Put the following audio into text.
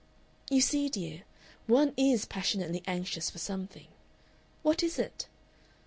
"You see, dear, one IS passionately anxious for something what is it?